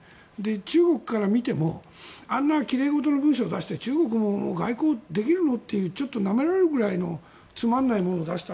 中国から見てもあんな奇麗事の文書を出して中国も外交できるのというちょっとなめられるぐらいのつまらないものを出した。